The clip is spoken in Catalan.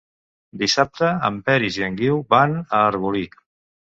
Dissabte en Peris i en Guiu van a Arbolí.